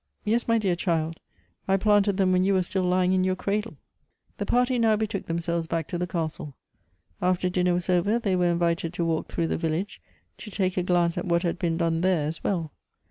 " Yes, my dear child, I planted them when you were still lying in your cradle." The party now betook themselves back to the castle. After dinner was over they were invited to walk through the village to take a glance at what had been done there as well.